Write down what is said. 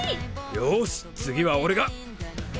よし次は俺が！